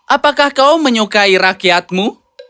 apakah kau menyukai rakyatmu